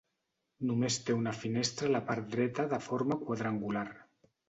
Només té una finestra a la part dreta de forma quadrangular.